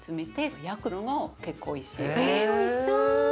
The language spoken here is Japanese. えおいしそう。